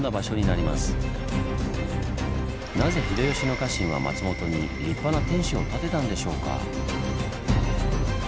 なぜ秀吉の家臣は松本に立派な天守を建てたんでしょうか？